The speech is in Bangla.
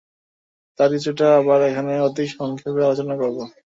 তার কিছুটা আমরা এখানে অতি সংক্ষেপে আলোচনা করব।